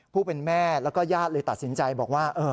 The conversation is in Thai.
ผู้เป็นแม่แล้วก็ญาติเลยตัดสินใจบอกว่า